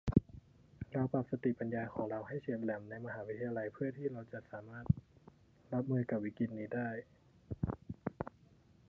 เราปรับสติปัญญาของเราให้เฉียบแหลมในมหาวิทยาลัยเพื่อที่เราจะสามารถรับมือกับวิกฤตินี้ได้